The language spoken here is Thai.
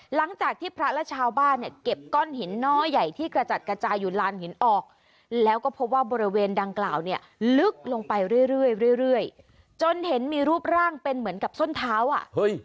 หลังจากที่พระและชาวบ้านเนี่ยเก็บก้อนหินหน่อใหญ่ที่กระจัดกระจายอยู่ลานหินออกแล้วก็พบว่าบริเวณดังกล่าวเนี่ยลึกลงไปเรื่อยเรื่อยจนเห็นมีรูปร่างเป็นเหมือนกับส้นเท้าอ่ะเฮ้ย